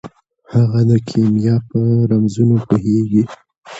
هغه د کیمیا په رمزونو پوهیږي.